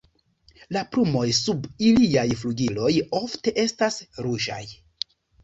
La plumoj sub iliaj flugiloj ofte estas ruĝaj.